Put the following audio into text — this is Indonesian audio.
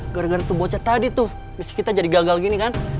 gara gara tuh bocah tadi tuh kita jadi gagal gini kan